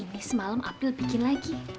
ini semalam afril bikin lagi